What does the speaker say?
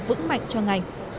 vững mạnh cho ngành